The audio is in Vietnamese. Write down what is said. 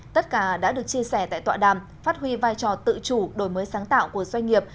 tất cả đã được chia sẻ tại tọa đàm phát huy vai trò tự chủ đổi mới sáng tạo của doanh nghiệp